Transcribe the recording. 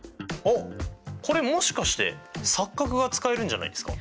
これもしかして錯角が使えるんじゃないですか？